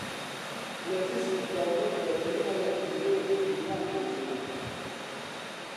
لە ترسی دەوڵەت بە تەنیا لە حوجرەیەکی هیران دەژیا